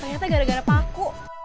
ternyata gara gara paku